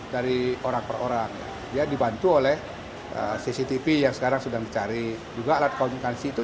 dari orang per orang dia dibantu oleh cctv yang sekarang sedang dicari juga alat komunikasi itu